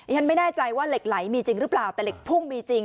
ฉันไม่แน่ใจว่าเหล็กไหลมีจริงหรือเปล่าแต่เหล็กพุ่งมีจริง